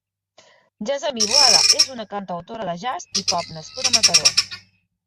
Gessamí Boada és una cantautora de jazz i pop nascuda a Mataró.